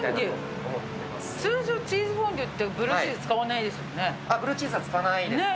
通常、チーズフォンデュって、ブルーチーズ使わないですね。